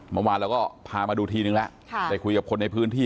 เมื่อวานเราก็พามาดูทีนึงแล้วได้คุยกับคนในพื้นที่